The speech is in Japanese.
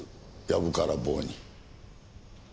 やぶからぼうに。